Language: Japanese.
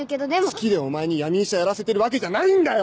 好きでお前に闇医者やらせてるわけじゃないんだよ！